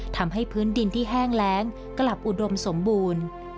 ทำให้พื้นดินที่แห้งแรงกลับอุดมสมบูรณ์